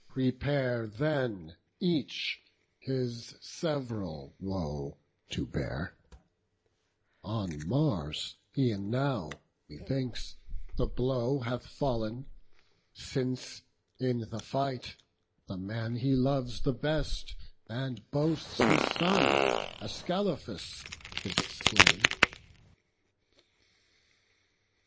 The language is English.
Prepare then each his sev'ral woe to bear; On Mars e'en now, methinks, the blow hath fall'n; Since in the fight, the man he loves the best, And boasts his son, Ascalaphus, is slain."